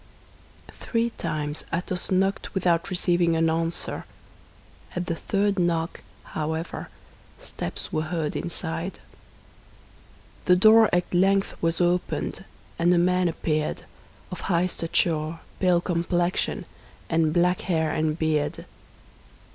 Three times Athos knocked without receiving an answer. At the third knock, however, steps were heard inside. The door at length was opened, and a man appeared, of high stature, pale complexion, and black hair and beard.